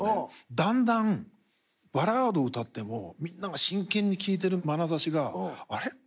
だんだんバラード歌ってもみんなが真剣に聴いてるまなざしがあれ？